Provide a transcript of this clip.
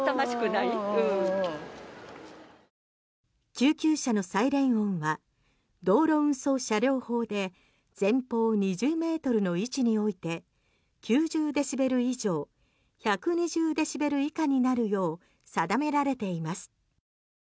救急車のサイレン音は道路運送車両法で前方２０ｍの位置において９０デシベル以上１２０デシベル以下になるよう定められています。